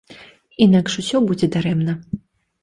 Інакш усё будзе дарэмна.